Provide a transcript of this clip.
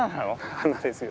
花ですよ。